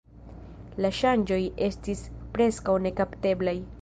La ŝanĝoj estis preskaŭ nekapteblaj.